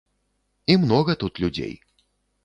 І многа тут людзей.